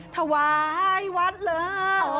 ถวายวัดเหลือ